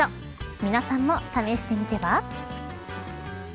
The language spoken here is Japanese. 皆さんも、試してみては。